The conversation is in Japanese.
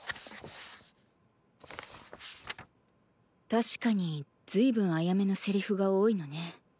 確かに随分アヤメのセリフが多いのね。